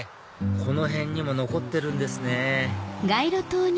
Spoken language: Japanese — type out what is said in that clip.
この辺にも残ってるんですね